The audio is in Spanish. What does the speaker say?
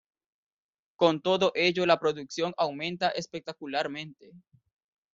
Con todo ello la producción aumenta espectacularmente.